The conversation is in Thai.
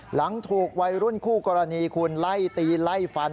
หลังถูกวัยรุ่นคู่กรณีคุณไล่ตีไล่ฟัน